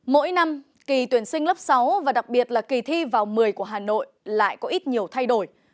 mỗi năm kỳ tuyển sinh lớp sáu và đặc biệt là kỳ thi vào một mươi của hà nội lại có ít nhiều thay đổi